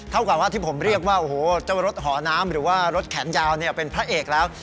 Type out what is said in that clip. กับว่าที่ผมเรียกว่าโอ้โหเจ้ารถหอน้ำหรือว่ารถแขนยาวเป็นพระเอกแล้ว